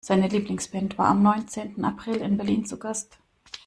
Seine Lieblingsband war am neunzehnten April in Berlin zu Gast.